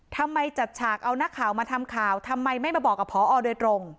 จัดฉากเอานักข่าวมาทำข่าวทำไมไม่มาบอกกับพอโดยตรง